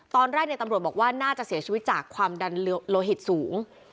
ตอนแรกตำรวจบอกว่าน่าจะเสียชีวิตจากความดันโลหิตสูง